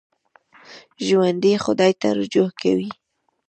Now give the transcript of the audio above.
ژوندي خدای ته رجوع کوي